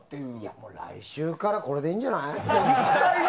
もう来週からこれでいいんじゃない？